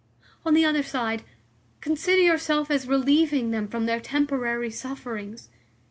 On the other side, consider yourself as relieving them from their temporary sufferings.